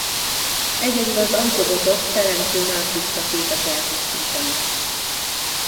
Egyedül az Autobotok Teremtő Mátrixa képes elpusztítani.